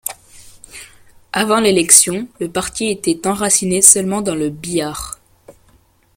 Avant l'élection, le parti était enraciné seulement dans le Bihar.